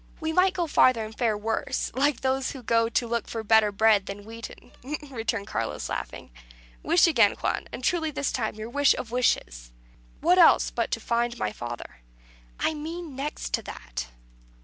"We might go farther and fare worse, like those that go to look for better bread than wheaten," returned Carlos, laughing. "Wish again, Juan; and truly this time your wish of wishes." "What else but to find my father?" "I mean, next to that."